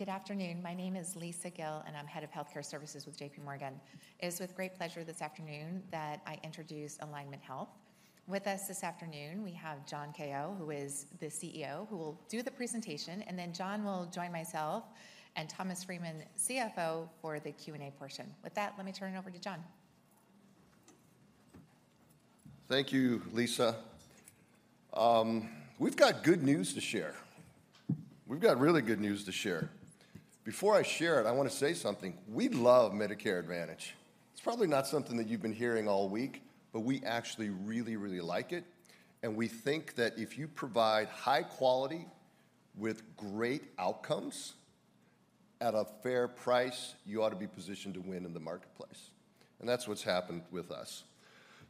Good afternoon. My name is Lisa Gill, and I'm Head of Healthcare Services with JPMorgan. It is with great pleasure this afternoon that I introduce Alignment Health. With us this afternoon, we have John Kao, who is the CEO, who will do the presentation, and then John will join myself and Thomas Freeman, CFO, for the Q&A portion. With that, let me turn it over to John. Thank you, Lisa. We've got good news to share. We've got really good news to share. Before I share it, I wanna say something: We love Medicare Advantage. It's probably not something that you've been hearing all week, but we actually really, really like it, and we think that if you provide high quality with great outcomes at a fair price, you ought to be positioned to win in the marketplace, and that's what's happened with us.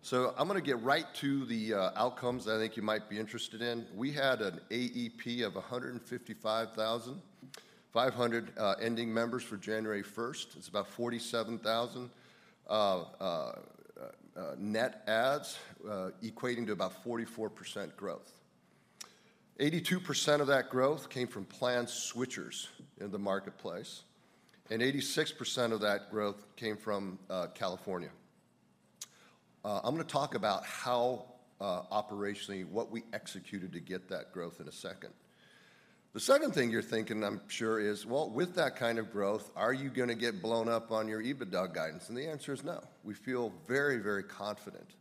So I'm gonna get right to the outcomes I think you might be interested in. We had an AEP of 155,500 ending members for January first. It's about 47,000 of net adds equating to about 44% growth. 82% of that growth came from plan switchers in the marketplace, and eighty-six percent of that growth came from California. I'm gonna talk about how, operationally, what we executed to get that growth in a second. The second thing you're thinking, I'm sure, is, well, with that kind of growth, are you gonna get blown up on your EBITDA guidance? The answer is no. We feel very, very confident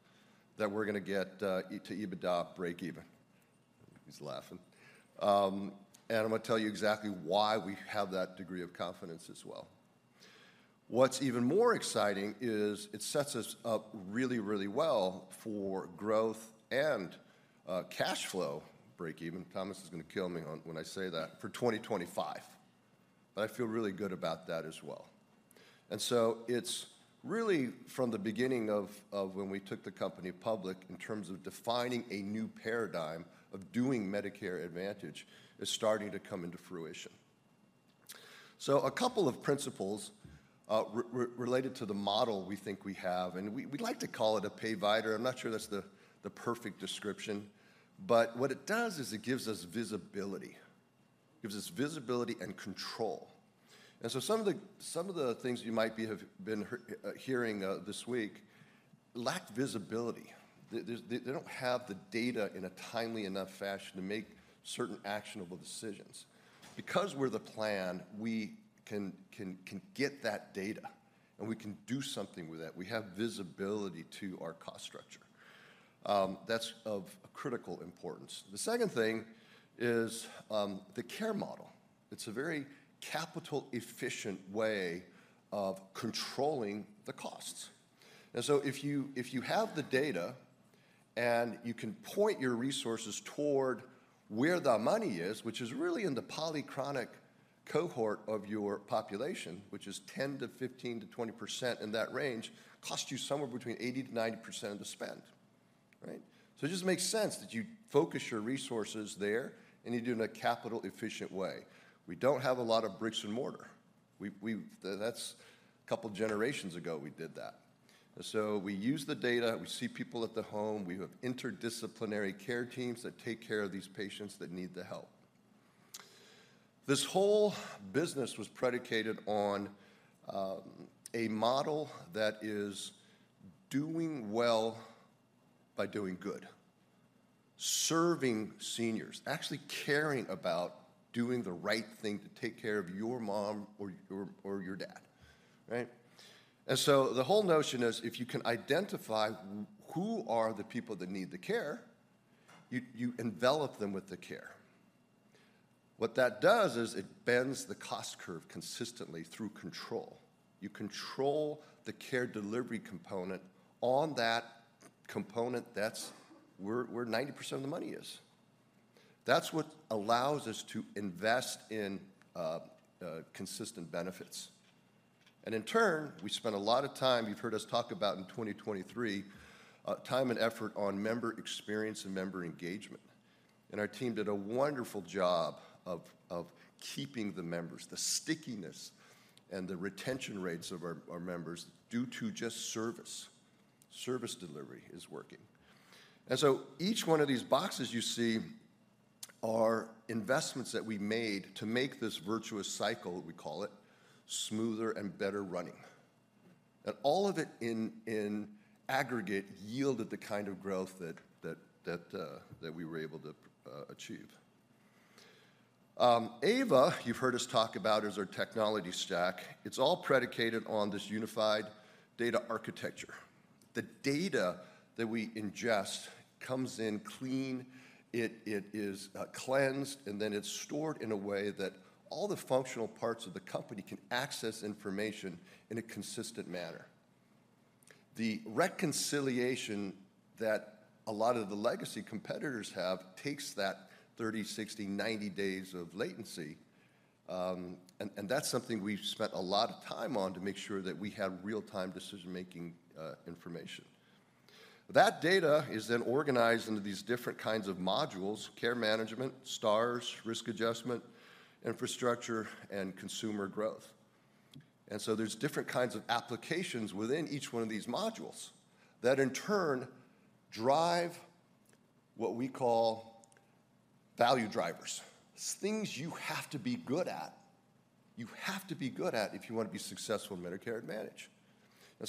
that we're gonna get to EBITDA breakeven. He's laughing. I'm gonna tell you exactly why we have that degree of confidence as well. What's even more exciting is it sets us up really, really well for growth and, cash flow breakeven, Thomas is gonna kill me on when I say that, for 2025, and I feel really good about that as well. And so it's really from the beginning of when we took the company public in terms of defining a new paradigm of doing Medicare Advantage is starting to come into fruition. So a couple of principles related to the model we think we have, and we, we'd like to call it a Payvidor. I'm not sure that's the perfect description, but what it does is it gives us visibility. It gives us visibility and control. And so some of the things you might have been hearing this week lack visibility. They don't have the data in a timely enough fashion to make certain actionable decisions. Because we're the plan, we can get that data, and we can do something with it. We have visibility to our cost structure. That's of critical importance. The second thing is, the care model. It's a very capital-efficient way of controlling the costs. And so if you have the data, and you can point your resources toward where the money is, which is really in the polychronic cohort of your population, which is 10%-20% in that range, costs you somewhere between 80%-90% of the spend, right? So it just makes sense that you focus your resources there, and you do it in a capital-efficient way. We don't have a lot of bricks and mortar. That's a couple generations ago we did that. And so we use the data. We see people at the home. We have interdisciplinary care teams that take care of these patients that need the help. This whole business was predicated on a model that is doing well by doing good, serving seniors, actually caring about doing the right thing to take care of your mom or your dad, right? And so the whole notion is, if you can identify who are the people that need the care, you envelop them with the care. What that does is it bends the cost curve consistently through control. You control the care delivery component on that component, that's where 90% of the money is. That's what allows us to invest in consistent benefits. In turn, we spent a lot of time, you've heard us talk about in 2023, time and effort on member experience and member engagement, and our team did a wonderful job of keeping the members, the stickiness and the retention rates of our members, due to just service. Service delivery is working. So each one of these boxes you see are investments that we made to make this virtuous cycle, we call it, smoother and better running. And all of it in aggregate yielded the kind of growth that we were able to achieve. AVA, you've heard us talk about, is our technology stack. It's all predicated on this unified data architecture. The data that we ingest comes in clean, it is cleansed, and then it's stored in a way that all the functional parts of the company can access information in a consistent manner. The reconciliation that a lot of the legacy competitors have takes that 30, 60, 90 days of latency, and that's something we've spent a lot of time on to make sure that we have real-time decision-making information. That data is then organized into these different kinds of modules: care management, stars, risk adjustment, infrastructure, and consumer growth. And so there's different kinds of applications within each one of these modules that, in turn, drive what we call value drivers. It's things you have to be good at, you have to be good at if you wanna be successful in Medicare Advantage.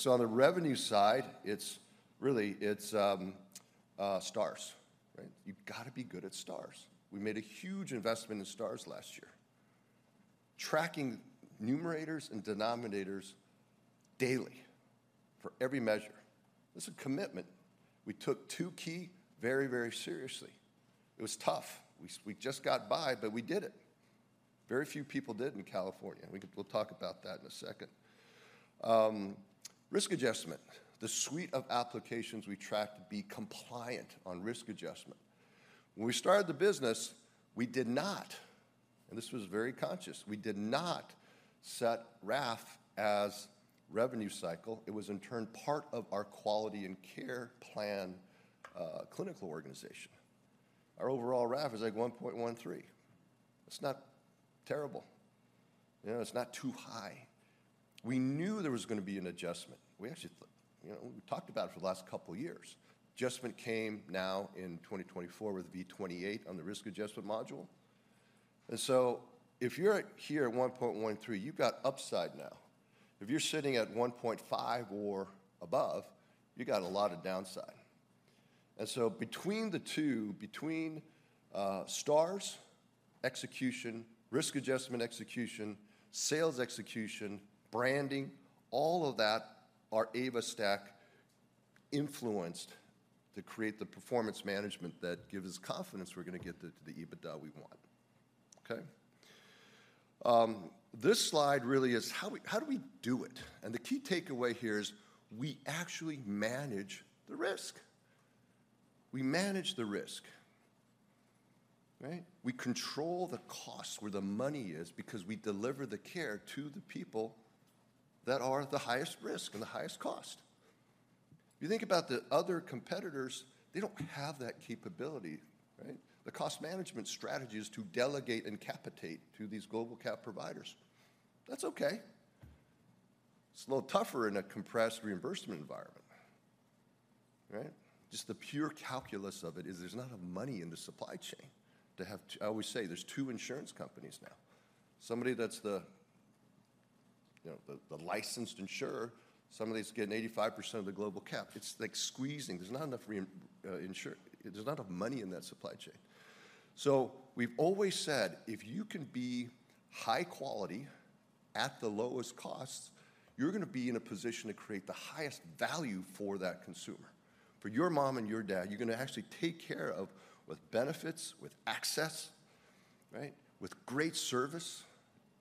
On the revenue side, it's really stars, right? You've gotta be good at stars. We made a huge investment in stars last year, tracking numerators and denominators daily for every measure. This is a commitment. We took Tukey very, very seriously. It was tough. We just got by, but we did it. Very few people did in California, and we'll talk about that in a second. Risk adjustment, the suite of applications we track to be compliant on risk adjustment. When we started the business, we did not, and this was very conscious, we did not set RAF as revenue cycle. It was, in turn, part of our quality and care plan, clinical organization. Our overall RAF is, like, 1.13. It's not terrible. You know, it's not too high. We knew there was gonna be an adjustment. We actually, you know, we talked about it for the last couple years. Adjustment came now in 2024 with V28 on the risk adjustment module. And so if you're at here at 1.13, you've got upside now. If you're sitting at 1.5 or above, you got a lot of downside. And so between the two, between stars, execution, risk adjustment execution, sales execution, branding, all of that, our AVA stack influenced to create the performance management that gives us confidence we're gonna get the EBITDA we want. Okay? This slide really is how do we do it? And the key takeaway here is, we actually manage the risk. We manage the risk, right? We control the cost where the money is because we deliver the care to the people that are at the highest risk and the highest cost. You think about the other competitors, they don't have that capability, right? The cost management strategy is to delegate and capitate to these global cap providers. That's okay. It's a little tougher in a compressed reimbursement environment, right? Just the pure calculus of it is there's not enough money in the supply chain. I always say there's two insurance companies now. Somebody that's the, you know, the licensed insurer, somebody that's getting 85% of the global cap. It's, like, squeezing. There's not enough money in that supply chain. We've always said, if you can be high quality at the lowest cost, you're gonna be in a position to create the highest value for that consumer. For your mom and your dad, you're gonna actually take care of with benefits, with access, right, with great service,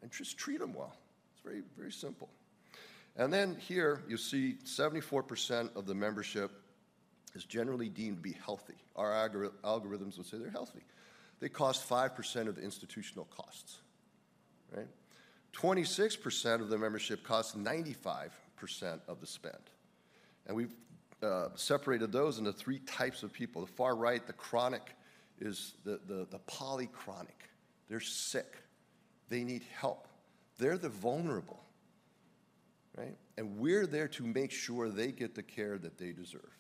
and just treat them well. It's very, very simple. Then here, you see 74% of the membership is generally deemed to be healthy. Our algorithms would say they're healthy. They cost 5% of the institutional costs, right? 26% of the membership costs 95% of the spend, and we've separated those into three types of people. The far right, the chronic, is the polychronic. They're sick. They need help. They're the vulnerable, right? We're there to make sure they get the care that they deserve,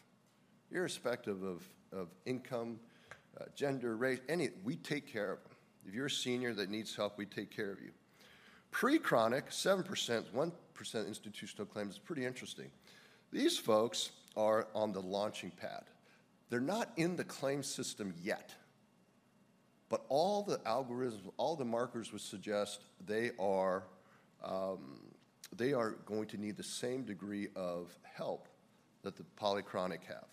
irrespective of income, gender, race, we take care of them. If you're a senior that needs help, we take care of you. Pre-chronic, 7%, 1% institutional claims, is pretty interesting. These folks are on the launching pad. They're not in the claims system yet, but all the algorithms, all the markers would suggest they are, they are going to need the same degree of help that the polychronic have.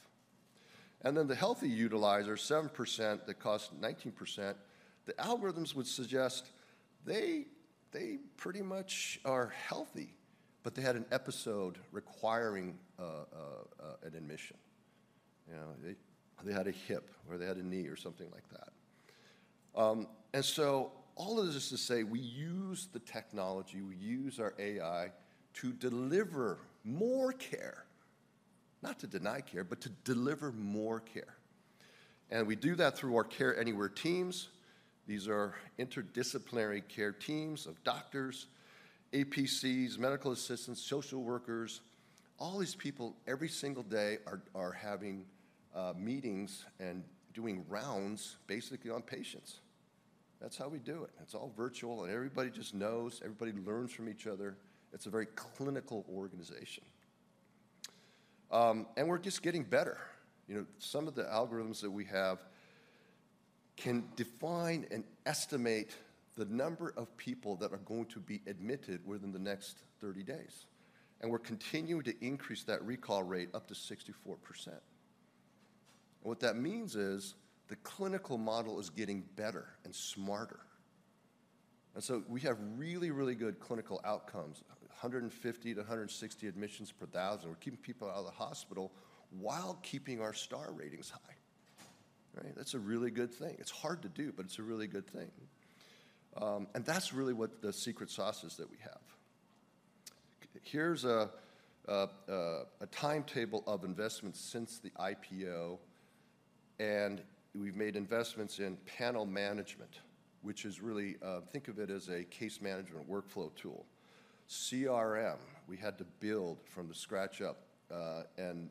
And then the healthy utilizer, 7%, that cost 19%, the algorithms would suggest they, they pretty much are healthy, but they had an episode requiring an admission. You know, they, they had a hip, or they had a knee or something like that. All of this is to say, we use the technology, we use our AI to deliver more care, not to deny care, but to deliver more care, and we do that through our Care Anywhere teams. These are interdisciplinary care teams of doctors, APCs, medical assistants, social workers. All these people, every single day, are having meetings and doing rounds basically on patients. That's how we do it. It's all virtual, and everybody just knows. Everybody learns from each other. It's a very clinical organization. We're just getting better. You know, some of the algorithms that we have can define and estimate the number of people that are going to be admitted within the next 30 days, and we're continuing to increase that recall rate up to 64%. What that means is the clinical model is getting better and smarter, and so we have really, really good clinical outcomes, 150-160 admissions per thousand. We're keeping people out of the hospital while keeping our Star Ratings high, right? That's a really good thing. It's hard to do, but it's a really good thing. And that's really what the secret sauce is that we have. Here's a timetable of investments since the IPO, and we've made investments in panel management, which is really, think of it as a case management workflow tool. CRM, we had to build from the scratch up, and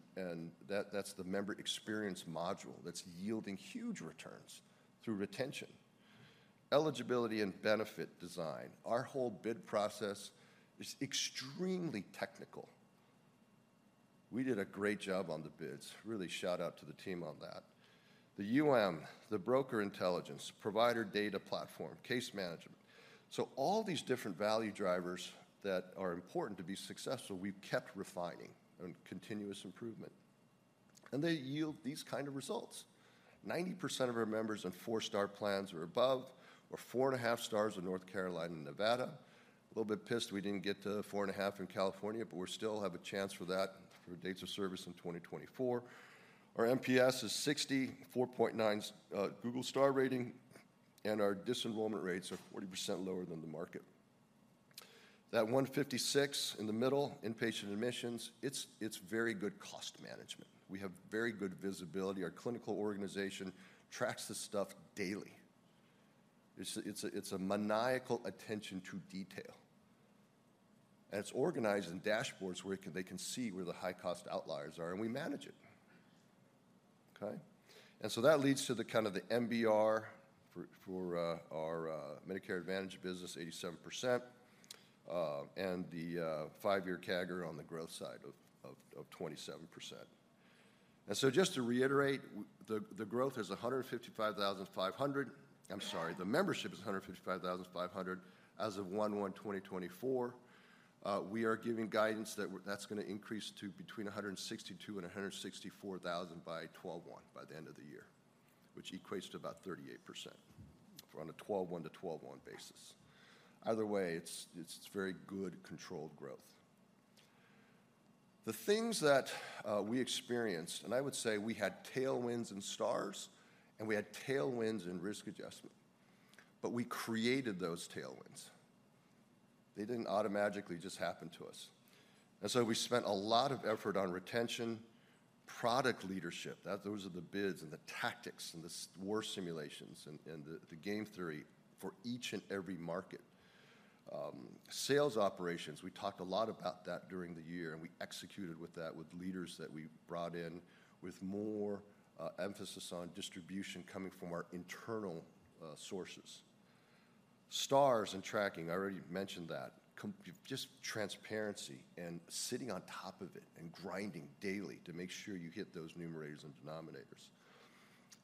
that's the member experience module that's yielding huge returns through retention. Eligibility and benefit design, our whole bid process is extremely technical. We did a great job on the bids. Really shout out to the team on that. The UM, the broker intelligence, provider data platform, case management. So all these different value drivers that are important to be successful, we've kept refining and continuous improvement, and they yield these kind of results. 90% of our members on four-star plans or above, or 4.5 stars in North Carolina and Nevada. A little bit pissed we didn't get to 4.5 in California, but we still have a chance for that for dates of service in 2024. Our NPS is 60, 4.9 star Google rating, and our disenrollment rates are 40% lower than the market. That 156 in the middle, inpatient admissions, it's very good cost management. We have very good visibility. Our clinical organization tracks this stuff daily. It's a maniacal attention to detail, and it's organized in dashboards where they can see where the high-cost outliers are, and we manage it. Okay? And so that leads to the MBR for our Medicare Advantage business, 87%, and the five-year CAGR on the growth side of 27%. And so just to reiterate, the growth is... I'm sorry, the membership is 155,500 as of 1/1/2024. We are giving guidance that that's gonna increase to between 162,000 and 164,000 by 12/1, by the end of the year, which equates to about 38% from a 12/1 to 12/1 basis. Either way, it's very good, controlled growth. The things that we experienced, and I would say we had tailwinds and stars, and we had tailwinds and risk adjustment, but we created those tailwinds. They didn't automatically just happen to us. And so we spent a lot of effort on retention, product leadership. Those are the bids and the tactics and the war simulations and the game theory for each and every market. Sales operations, we talked a lot about that during the year, and we executed with that, with leaders that we brought in, with more emphasis on distribution coming from our internal sources. Stars and tracking, I already mentioned that. Just transparency and sitting on top of it and grinding daily to make sure you hit those numerators and denominators.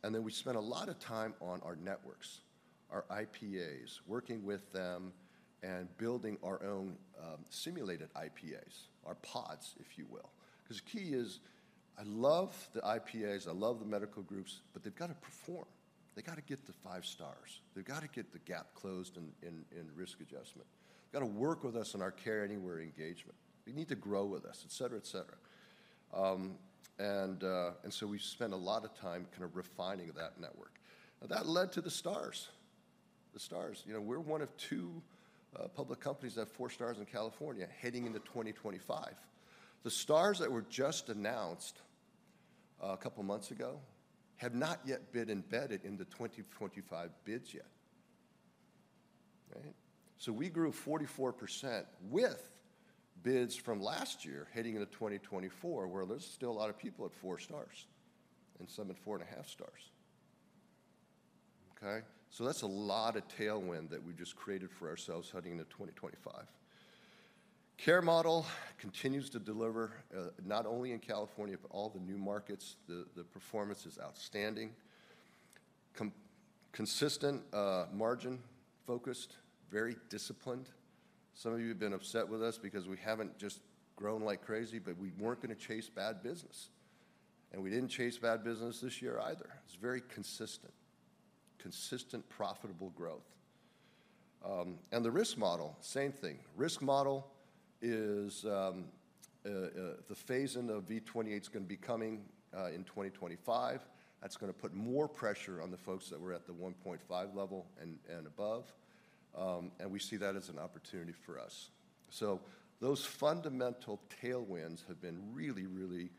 Then we spent a lot of time on our networks, our IPAs, working with them and building our own, simulated IPAs, our pods, if you will, 'cause key is I love the IPAs, I love the medical groups, but they've gotta perform. They gotta get to five stars. They've gotta get the gap closed in risk adjustment. Gotta work with us on our Care Anywhere engagement. They need to grow with us, et cetera, et cetera. We've spent a lot of time kind of refining that network, and that led to the stars. The stars, you know, we're one of two public companies that have 4 stars in California heading into 2025. The stars that were just announced, a couple of months ago, have not yet been embedded in the 2025 bids yet. Right? So we grew 44% with bids from last year, heading into 2024, where there's still a lot of people at four stars and some at 4.5 stars. Okay? So that's a lot of tailwind that we just created for ourselves heading into 2025. Care model continues to deliver, not only in California, but all the new markets. The performance is outstanding. Consistent, margin-focused, very disciplined. Some of you have been upset with us because we haven't just grown like crazy, but we weren't gonna chase bad business, and we didn't chase bad business this year either. It's very consistent. Consistent, profitable growth. And the risk model, same thing. Risk model is the phase-in of V28's gonna be coming in 2025. That's gonna put more pressure on the folks that were at the 1.5 level and and above, and we see that as an opportunity for us. So those fundamental tailwinds have been really, really,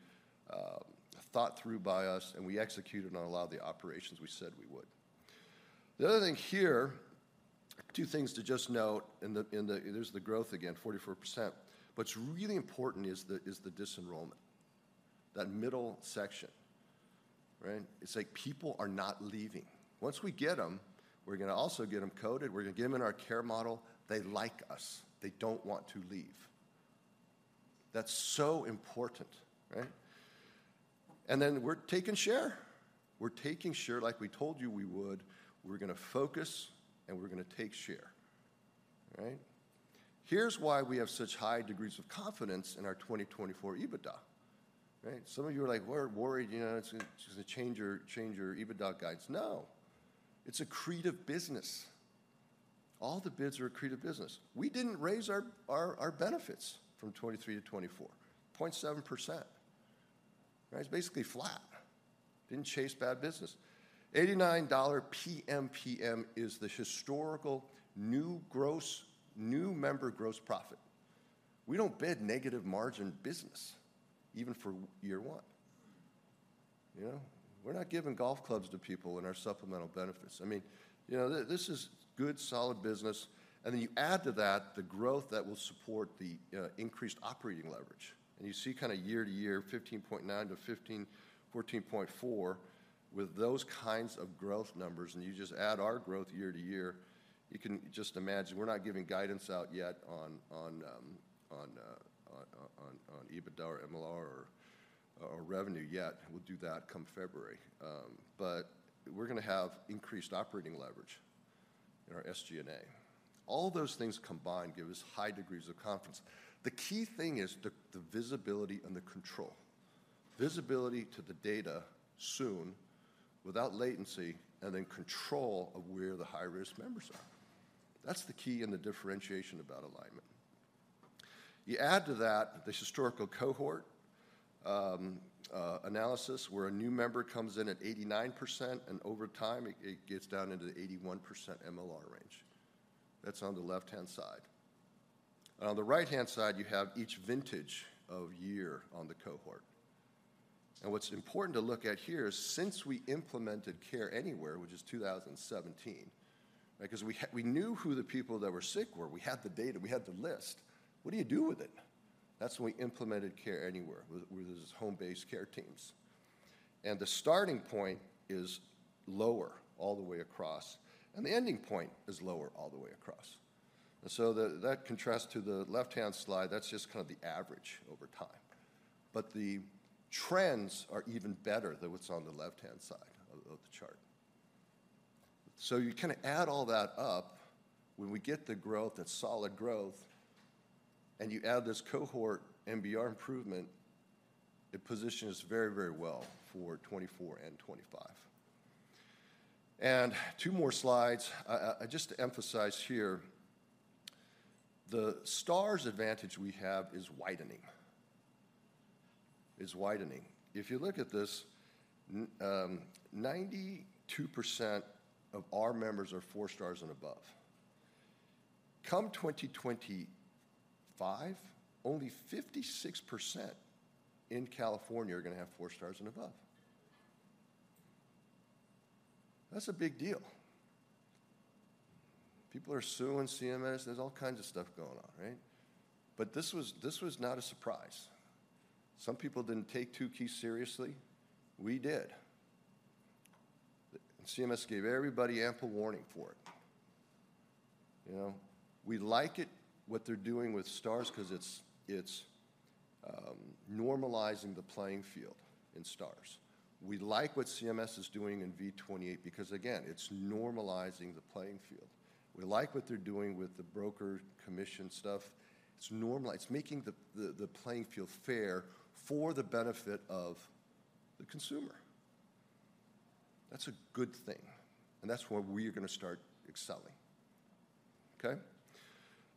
thought through by us, and we executed on a lot of the operations we said we would. The other thing here, two things to just note in the, in the... There's the growth again, 44%. What's really important is the disenrollment, that middle section, right? It's like, people are not leaving. Once we get them, we're gonna also get them coded. We're gonna get them in our care model. They like us. They don't want to leave. That's so important, right? And then we're taking share. We're taking share like we told you we would. We're gonna focus, and we're gonna take share, right? Here's why we have such high degrees of confidence in our 2024 EBITDA, right? Some of you are like, "We're worried, you know, to change your EBITDA guides." No, it's accretive business. All the bids are accretive business. We didn't raise our benefits from 2023 to 2024, 0.7%. Right? It's basically flat. Didn't chase bad business. $89 PMPM is the historical new gross-new member gross profit. We don't bid negative margin business, even for year one. You know, we're not giving golf clubs to people in our supplemental benefits. I mean, you know, this is good, solid business, and then you add to that the growth that will support the increased operating leverage. You see kinda year-over-year, 15.9-14.4, with those kinds of growth numbers, and you just add our growth year-over-year, you can just imagine. We're not giving guidance out yet on EBITDA or MLR or revenue yet. We'll do that come February. But we're gonna have increased operating leverage in our SG&A. All those things combined give us high degrees of confidence. The key thing is the visibility and the control. Visibility to the data soon, without latency, and then control of where the high-risk members are. That's the key and the differentiation about Alignment. You add to that this historical cohort analysis, where a new member comes in at 89%, and over time, it gets down into the 81% MLR range. That's on the left-hand side. On the right-hand side, you have each vintage of year on the cohort. What's important to look at here is, since we implemented Care Anywhere, which is 2017, right, 'cause we knew who the people that were sick were. We had the data. We had the list. What do you do with it? That's when we implemented Care Anywhere, with those home-based care teams. The starting point is lower all the way across, and the ending point is lower all the way across. So, that contrasts to the left-hand slide, that's just kind of the average over time. But the trends are even better than what's on the left-hand side of the chart. So you kinda add all that up, when we get the growth, that solid growth, and you add this cohort MBR improvement, it positions very, very well for 2024 and 2025. And two more slides. Just to emphasize here, the Stars advantage we have is widening. Is widening. If you look at this, 92% of our members are four stars and above. Come 2025, only 56% in California are gonna have four stars and above. That's a big deal. People are suing CMS. There's all kinds of stuff going on, right? But this was, this was not a surprise. Some people didn't take Tukey seriously. We did. CMS gave everybody ample warning for it. You know, we like it, what they're doing with Stars, 'cause it's, it's, normalizing the playing field in Stars. We like what CMS is doing in V28, because again, it's normalizing the playing field. We like what they're doing with the broker commission stuff. It's making the playing field fair for the benefit of the consumer. That's a good thing, and that's where we're gonna start excelling, okay?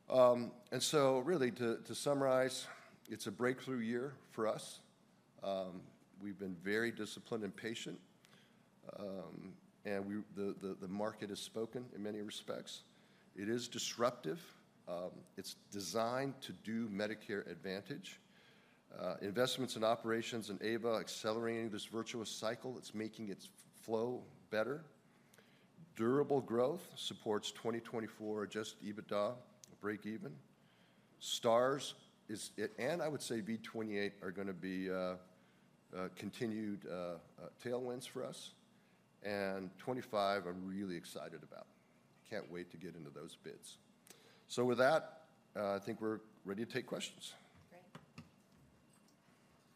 And so really, to summarize, it's a breakthrough year for us. We've been very disciplined and patient, and the market has spoken in many respects. It is disruptive. It's designed to do Medicare Advantage. Investments in operations and AVA accelerating this virtuous cycle, it's making its flow better. Durable growth supports 2024 adjusted EBITDA break even. Stars. And I would say V28 are gonna be continued tailwinds for us, and 2025, I'm really excited about. I can't wait to get into those bids. With that, I think we're ready to take questions.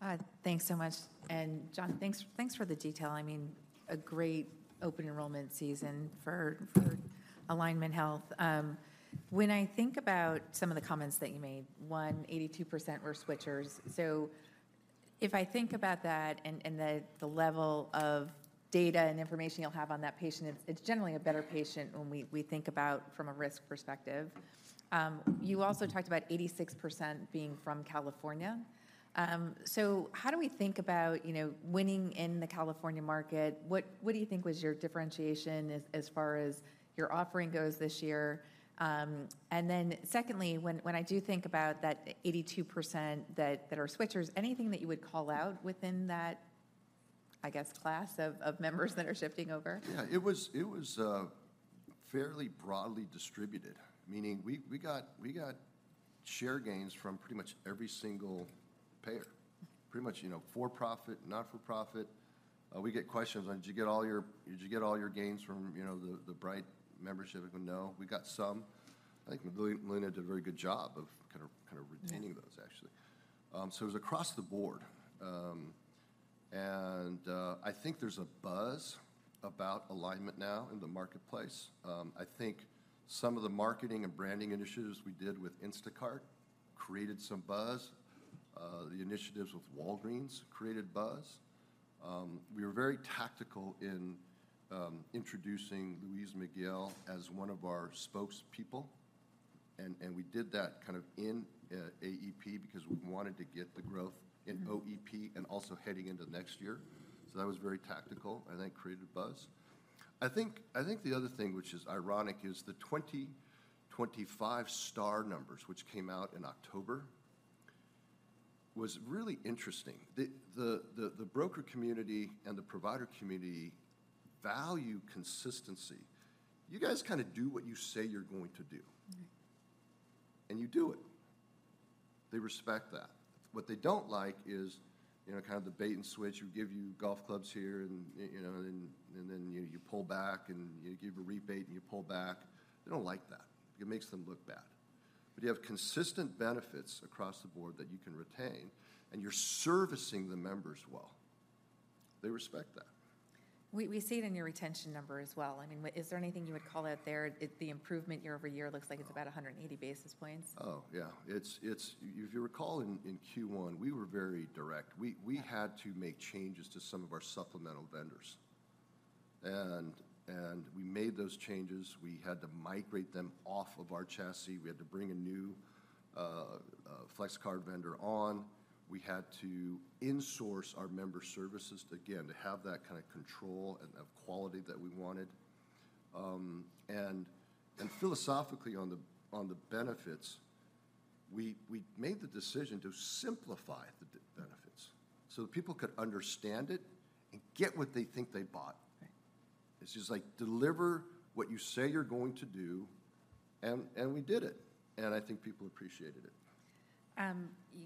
Great. Thanks so much, and John, thanks for the detail. I mean, a great open enrollment season for Alignment Health. When I think about some of the comments that you made, 82% were switchers. So if I think about that and the level of data and information you'll have on that patient, it's generally a better patient when we think about from a risk perspective. You also talked about 86% being from California. So how do we think about, you know, winning in the California market? What do you think was your differentiation as far as your offering goes this year? And then secondly, when I do think about that 82% that are switchers, anything that you would call out within that, I guess, class of members that are shifting over? Yeah, it was fairly broadly distributed, meaning we got share gains from pretty much every single payer. Pretty much, you know, for-profit, not-for-profit. We get questions on, "Did you get all your... Did you get all your gains from, you know, the Bright membership?" No, we got some. I think Molina did a very good job of kind of retaining- Mm... those, actually. So it was across the board. And I think there's a buzz about Alignment now in the marketplace. I think some of the marketing and branding initiatives we did with Instacart created some buzz. The initiatives with Walgreens created buzz. We were very tactical in, introducing Luis Miguel as one of our spokespeople, and, and we did that kind of in, AEP, because we wanted to get the growth in OEP- Mm.... and also heading into next year. So that was very tactical and that created buzz. I think the other thing which is ironic is the 2025 star numbers, which came out in October, was really interesting. The broker community and the provider community value consistency. You guys kinda do what you say you're going to do. Right. And you do it. They respect that. What they don't like is, you know, kind of the bait and switch. We give you golf clubs here, and you know, and then you pull back, and you give a rebate, and you pull back. They don't like that. It makes them look bad. But you have consistent benefits across the board that you can retain, and you're servicing the members well, they respect that. We, we see it in your retention number as well. I mean, is there anything you would call out there? It, the improvement year-over-year looks like it's about 100 basis points. Oh, yeah. It's... If you recall in Q1, we were very direct. We had to make changes to some of our supplemental vendors. And we made those changes. We had to migrate them off of our chassis. We had to bring a new flex card vendor on. We had to insource our member services, again, to have that kind of control and quality that we wanted. And philosophically on the benefits, we made the decision to simplify the benefits, so that people could understand it and get what they think they bought. Right. It's just like, deliver what you say you're going to do, and, and we did it, and I think people appreciated it.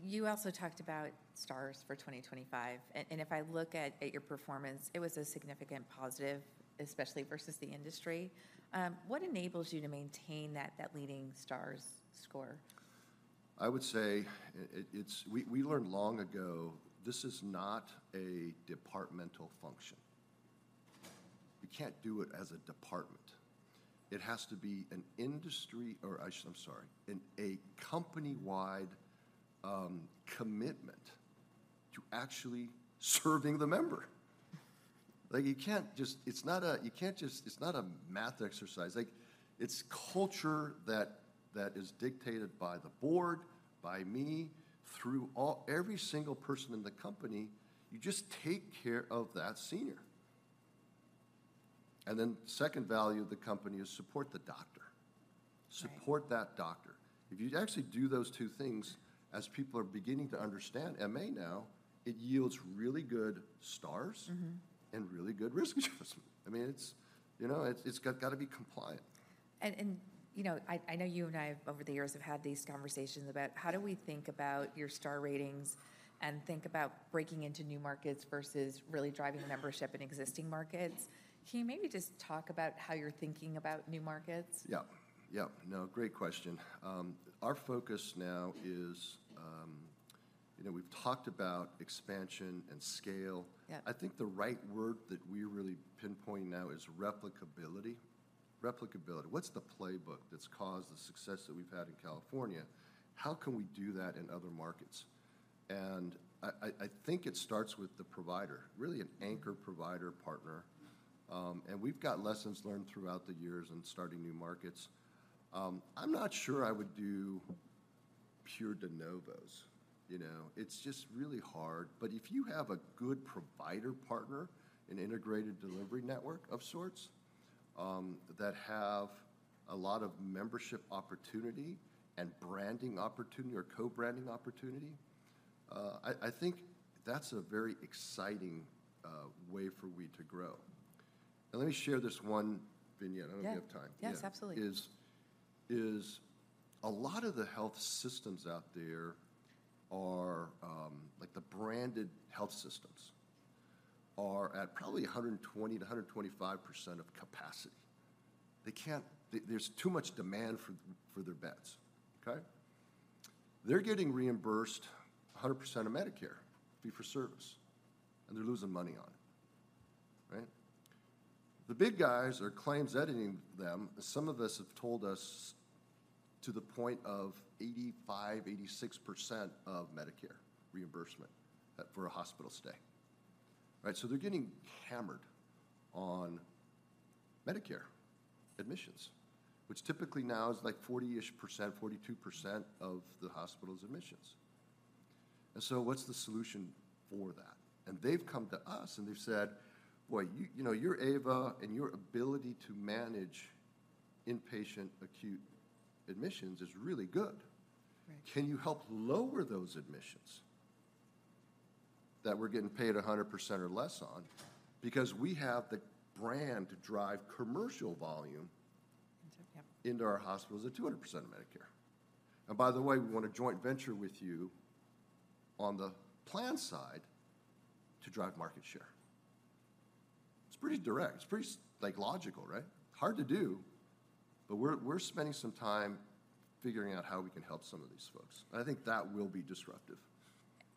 You also talked about stars for 2025, and if I look at your performance, it was a significant positive, especially versus the industry. What enables you to maintain that leading stars score? I would say it's. We learned long ago, this is not a departmental function. We can't do it as a department. It has to be a company-wide commitment to actually serving the member. Like, you can't just. It's not a math exercise. Like, it's culture that is dictated by the board, by me, through every single person in the company, you just take care of that senior. And then second value of the company is support the doctor. Right. Support that doctor. If you actually do those two things, as people are beginning to understand MA now, it yields really good stars- Mm-hmm... and really good risk adjustment. I mean, it's, you know, it's, it's got, gotta be compliant. You know, I know you and I have, over the years, have had these conversations about how do we think about your star ratings and think about breaking into new markets versus really driving membership in existing markets? Can you maybe just talk about how you're thinking about new markets? Yeah. Yeah. No, great question. Our focus now is... You know, we've talked about expansion and scale. Yeah. I think the right word that we're really pinpointing now is replicability. Replicability. What's the playbook that's caused the success that we've had in California? How can we do that in other markets? And I think it starts with the provider, really an anchor provider partner. And we've got lessons learned throughout the years in starting new markets. I'm not sure I would do pure de novos, you know? It's just really hard. But if you have a good provider partner, an integrated delivery network of sorts, that have a lot of membership opportunity and branding opportunity or co-branding opportunity, I think that's a very exciting way for we to grow. And let me share this one vignette. Yeah. I don't know if we have time. Yes, absolutely. A lot of the health systems out there are, like, the branded health systems are at probably 120%-125% of capacity. They can't. There's too much demand for their beds, okay? They're getting reimbursed 100% of Medicare, fee-for-service, and they're losing money on it, right? The big guys are claims editing them, some of us have told us, to the point of 85%-86% of Medicare reimbursement for a hospital stay. Right, so they're getting hammered on Medicare admissions, which typically now is, like, 40-ish%, 42% of the hospital's admissions. And so what's the solution for that? And they've come to us, and they've said, "Boy, you know, your AVA and your ability to manage inpatient acute admissions is really good. Right. Can you help lower those admissions that we're getting paid 100% or less on? Because we have the brand to drive commercial volume- Into, yeah... into our hospitals at 200% of Medicare. And by the way, we want to joint venture with you on the plan side to drive market share." It's pretty direct. It's pretty like, logical, right? Hard to do, but we're spending some time figuring out how we can help some of these folks, and I think that will be disruptive.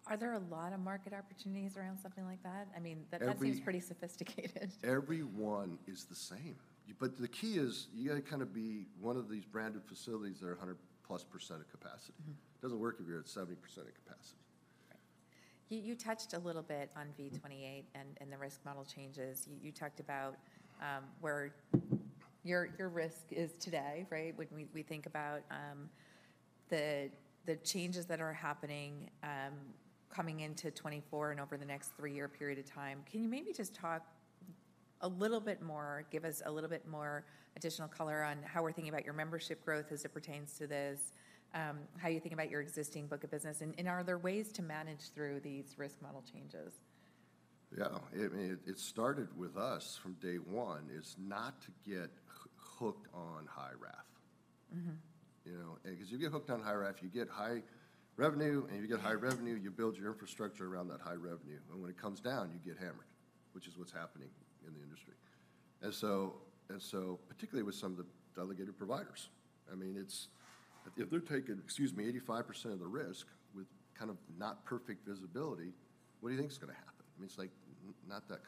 Are there a lot of market opportunities around something like that? I mean, that- Every-... that seems pretty sophisticated. Every one is the same. But the key is, you gotta kinda be one of these branded facilities that are 100+% of capacity. Mm-hmm. Doesn't work if you're at 70% of capacity. Right. You touched a little bit on V28 and the risk model changes. You talked about your risk is today, right? When we think about the changes that are happening coming into 2024 and over the next three-year period of time. Can you maybe just talk a little bit more, give us a little bit more additional color on how we're thinking about your membership growth as it pertains to this, how you think about your existing book of business, and are there ways to manage through these risk model changes? Yeah. I mean, it started with us from day one, is not to get hooked on high RAF. Mm-hmm. You know? Because if you get hooked on high RAF, you get high revenue, and if you get high revenue, you build your infrastructure around that high revenue, and when it comes down, you get hammered, which is what's happening in the industry. And so, and so particularly with some of the delegated providers, I mean, it's... If they're taking, excuse me, 85% of the risk with kind of not perfect visibility, what do you think is gonna happen? I mean, it's, like, not that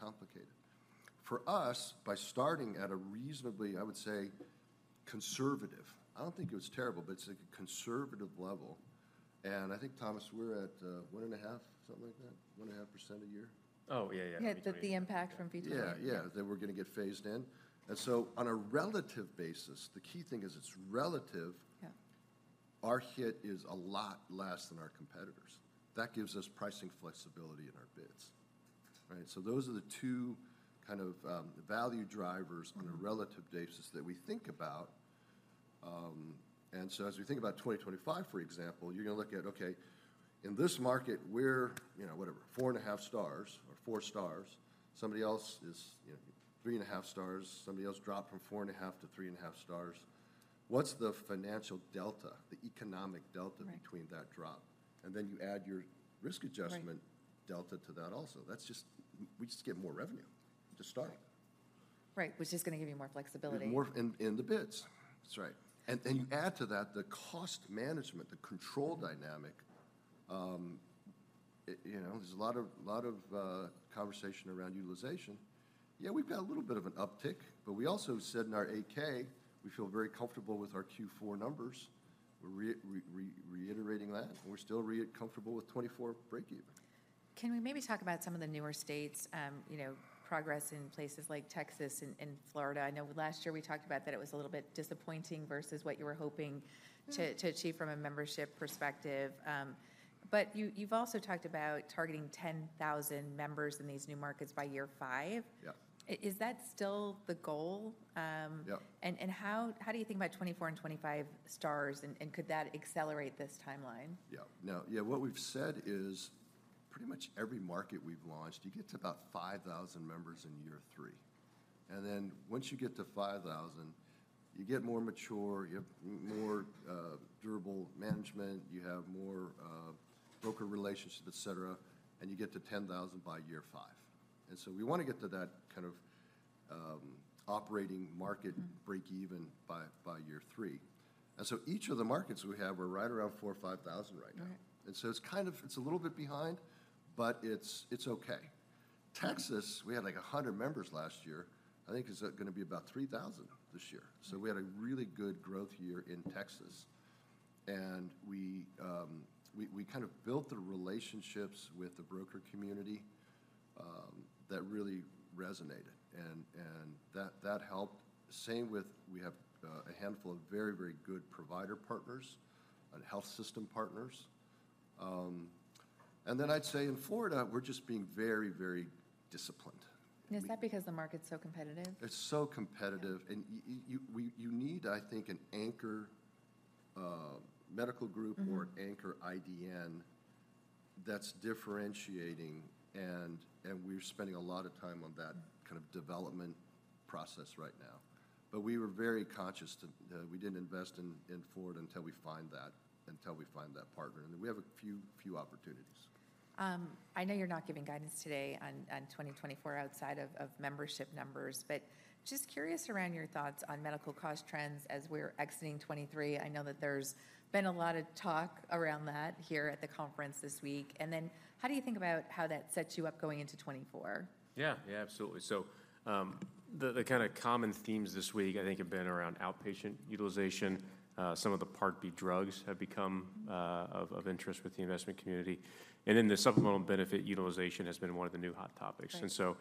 complicated. For us, by starting at a reasonably, I would say, conservative, I don't think it was terrible, but it's like a conservative level, and I think, Thomas, we're at 1.5%, something like that? 1.5% a year. Oh, yeah, yeah. Yeah, the impact from V28. Yeah, yeah, that we're gonna get phased in. And so on a relative basis, the key thing is it's relative. Yeah. Our hit is a lot less than our competitors. That gives us pricing flexibility in our bids, right? So those are the two kind of value drivers- Mm-hmm. -on a relative basis that we think about. And so as we think about 2025, for example, you're gonna look at, okay, in this market, we're, you know, whatever, 4.5 stars or four stars. Somebody else is, you know, 3.5 stars. Somebody else dropped from 4.5-3.5 stars. What's the financial delta, the economic delta- Right... between that drop? And then you add your risk adjustment- Right... delta to that also. That's just, we just get more revenue to start. Right, which is gonna give you more flexibility. More in the bids. That's right. And you add to that the cost management, the control dynamic. You know, there's a lot of conversation around utilization. Yeah, we've had a little bit of an uptick, but we also said in our 8-K, we feel very comfortable with our Q4 numbers. We're reiterating that, and we're still comfortable with 2024 breakeven. Can we maybe talk about some of the newer states, you know, progress in places like Texas and, and Florida? I know last year we talked about that it was a little bit disappointing versus what you were hoping- Mm... to achieve from a membership perspective. But you, you've also talked about targeting 10,000 members in these new markets by year five. Yeah. Is that still the goal? Yeah. How do you think about 2024 and 2025 stars, and could that accelerate this timeline? Yeah. No, yeah, what we've said is pretty much every market we've launched, you get to about 5,000 members in year three, and then once you get to 5,000, you get more mature, you have more durable management, you have more broker relationships, et cetera, and you get to 10,000 by year five. And so we want to get to that kind of operating market- Mm... breakeven by year three. So each of the markets we have are right around 4,000 or 5,000 right now. Right. It's kind of a little bit behind, but it's okay. Texas, we had, like, 100 members last year. I think it's gonna be about 3,000 this year. Mm. So we had a really good growth year in Texas, and we kind of built the relationships with the broker community that really resonated, and that helped. Same with. We have a handful of very, very good provider partners and health system partners. And then I'd say in Florida, we're just being very, very disciplined. Is that because the market's so competitive? It's so competitive, and you, we, you need, I think, an anchor medical group- Mm-hmm... or an anchor IDN that's differentiating, and we're spending a lot of time on that kind of development process right now. But we were very conscious to, we didn't invest in Florida until we find that partner, and we have a few opportunities. I know you're not giving guidance today on 2024 outside of membership numbers, but just curious around your thoughts on medical cost trends as we're exiting 2023? I know that there's been a lot of talk around that here at the conference this week. And then how do you think about how that sets you up going into 2024? Yeah. Yeah, absolutely. So, the kind of common themes this week, I think, have been around outpatient utilization. Some of the Part B drugs have become of interest with the investment community. And then the supplemental benefit utilization has been one of the new hot topics. Right.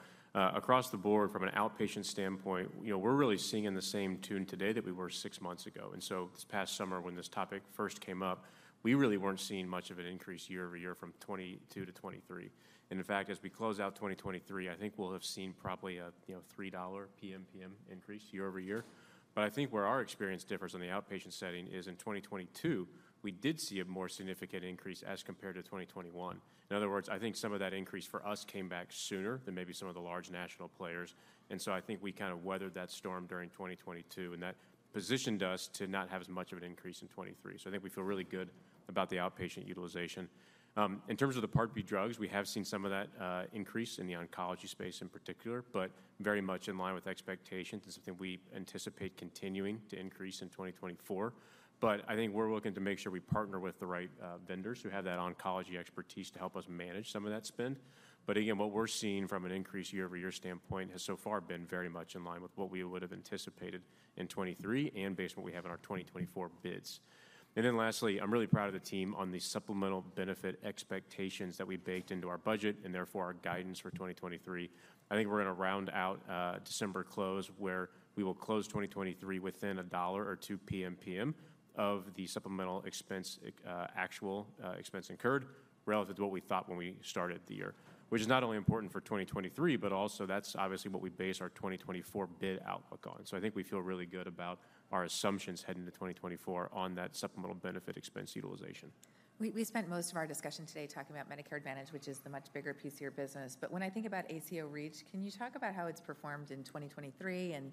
Across the board, from an outpatient standpoint, you know, we're really singing the same tune today that we were six months ago. This past summer, when this topic first came up, we really weren't seeing much of an increase year-over-year from 2022 to 2023. And in fact, as we close out 2023, I think we'll have seen probably a, you know, $3 PMPM increase year-over-year. But I think where our experience differs in the outpatient setting is in 2022, we did see a more significant increase as compared to 2021. In other words, I think some of that increase for us came back sooner than maybe some of the large national players, and so I think we kind of weathered that storm during 2022, and that positioned us to not have as much of an increase in 2023. So I think we feel really good about the outpatient utilization. In terms of the Part B drugs, we have seen some of that increase in the oncology space in particular, but very much in line with expectations and something we anticipate continuing to increase in 2024. But I think we're looking to make sure we partner with the right vendors who have that oncology expertise to help us manage some of that spend. But again, what we're seeing from an increase year-over-year standpoint has so far been very much in line with what we would have anticipated in 2023 and based on what we have in our 2024 bids. And then lastly, I'm really proud of the team on the supplemental benefit expectations that we baked into our budget, and therefore our guidance for 2023. I think we're going to round out December close, where we will close 2023 within $1 or $2 PMPM of the supplemental expense, actual expense incurred relative to what we thought when we started the year, which is not only important for 2023, but also that's obviously what we base our 2024 bid outlook on. So I think we feel really good about our assumptions heading into 2024 on that supplemental benefit expense utilization. We spent most of our discussion today talking about Medicare Advantage, which is the much bigger piece of your business. But when I think about ACO REACH, can you talk about how it's performed in 2023 and,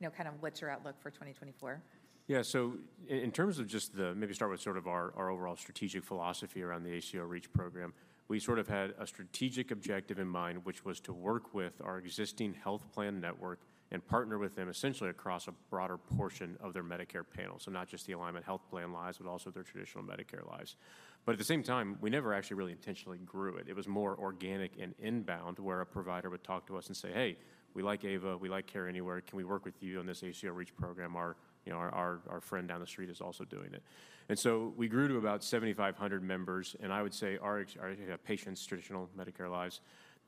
you know, kind of what's your outlook for 2024? Yeah. So in terms of just maybe start with sort of our overall strategic philosophy around the ACO REACH program. We sort of had a strategic objective in mind, which was to work with our existing health plan network and partner with them essentially across a broader portion of their Medicare panel, so not just the Alignment Health plan lives, but also their traditional Medicare lives. But at the same time, we never actually really intentionally grew it. It was more organic and inbound, where a provider would talk to us and say, "Hey, we like Ava. We like Care Anywhere. Can we work with you on this ACO REACH program? Our, you know, our friend down the street is also doing it." And so we grew to about 7,500 members, and I would say our patients, traditional Medicare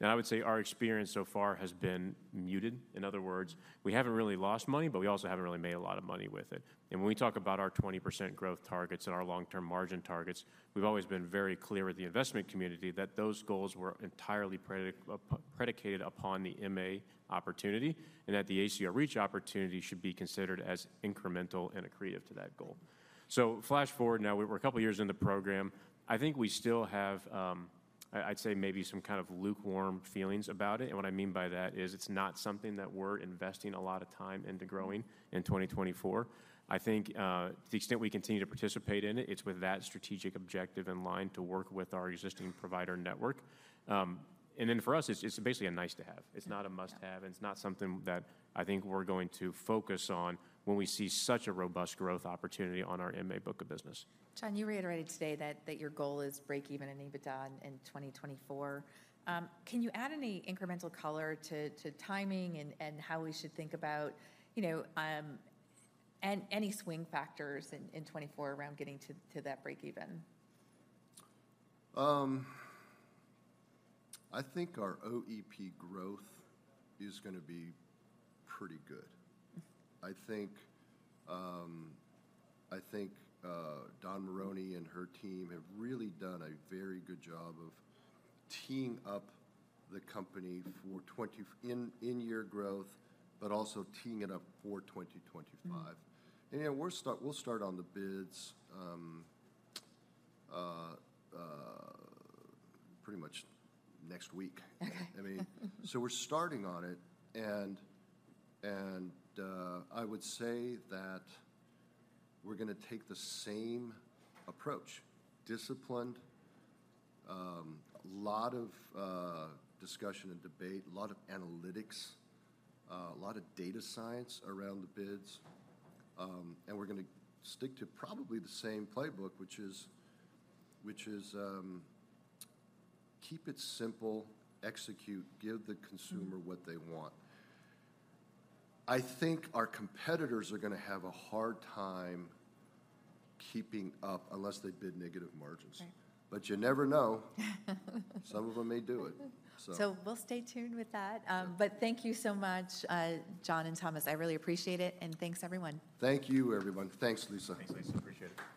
lives... I would say our experience so far has been muted. In other words, we haven't really lost money, but we also haven't really made a lot of money with it. When we talk about our 20% growth targets and our long-term margin targets, we've always been very clear with the investment community that those goals were entirely predicated upon the MA opportunity, and that the ACO REACH opportunity should be considered as incremental and accretive to that goal. Flash forward, now we're a couple of years in the program. I think we still have, I'd say, maybe some kind of lukewarm feelings about it. What I mean by that is it's not something that we're investing a lot of time into growing in 2024. I think, to the extent we continue to participate in it, it's with that strategic objective in line to work with our existing provider network. And then for us, it's, it's basically a nice-to-have. It's not a must-have, and it's not something that I think we're going to focus on when we see such a robust growth opportunity on our MA book of business. John, you reiterated today that your goal is breakeven in EBITDA in 2024. Can you add any incremental color to timing and how we should think about, you know, any swing factors in 2024 around getting to that breakeven? I think our OEP growth is gonna be pretty good. Mm-hmm. I think Dawn Maroney and her team have really done a very good job of teeing up the company for 2024 in-year growth, but also teeing it up for 2025. Mm-hmm. And, you know, we'll start, we'll start on the bids pretty much next week. I mean, so we're starting on it, and, and, I would say that we're gonna take the same approach: disciplined, a lot of discussion and debate, a lot of analytics, a lot of data science around the bids. And we're gonna stick to probably the same playbook, which is, which is, keep it simple, execute, give the consumer- Mm... what they want. I think our competitors are gonna have a hard time keeping up unless they bid negative margins. Right. But you never know. Some of them may do it, so. We'll stay tuned with that. Yeah. Thank you so much, John and Thomas. I really appreciate it, and thanks, everyone. Thank you, everyone. Thanks, Lisa. Thanks, Lisa. Appreciate it. Yes, sir.